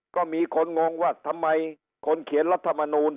ก็มีคนงงว่าทำไมคนเขียนรัฐมนูล